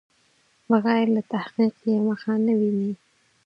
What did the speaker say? بغیر له تحقیق یې مخه نه ویني.